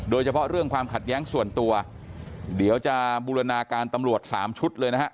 โดยเฉพาะเรื่องความขัดแย้งส่วนตัวเดี๋ยวจะบูรณาการตำรวจสามชุดเลยนะฮะ